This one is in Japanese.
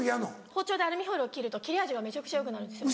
包丁でアルミホイルを切ると切れ味がめちゃくちゃよくなるんですよ。